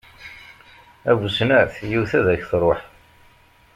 A bu snat, yiwet ad ak-tṛuḥ!